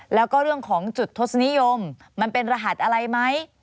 แล้วก็เรื่องของจุดทศนิยมมันเป็นรหัสอะไรไหม